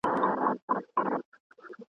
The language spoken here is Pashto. او خپل ځای پیدا کړو.